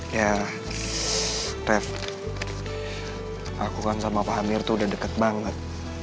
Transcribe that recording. ya ref aku kan sama pak amir tuh udah deket banget